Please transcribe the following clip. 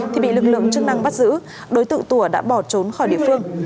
thì bị lực lượng chức năng bắt giữ đối tượng tủa đã bỏ trốn khỏi địa phương